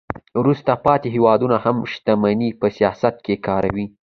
وروسته پاتې هیوادونه هم شتمني په سیاست کې کاروي